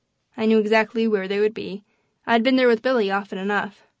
I knew exactly where they would be I'd been there with Billy often enough.